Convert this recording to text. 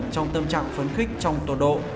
trong tâm trạng phấn khích trong tổ độ